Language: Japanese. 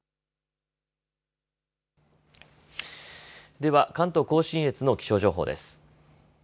では関東甲信越の気象情報です。